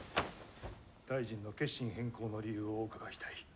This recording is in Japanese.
大臣の決心変更の理由をお伺いしたい。